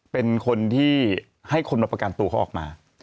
เป็นคนที่ให้คนมาประกันตัวเขาออกมา